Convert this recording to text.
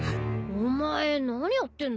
お前何やってんだ？